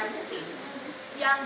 yang bisa disesuaikan dengan ingin